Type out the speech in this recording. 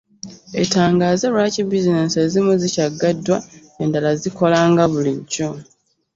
Etangaaze lwaki bizinensi ezimu zikyaggaddwa endala zikola nga bulijjo.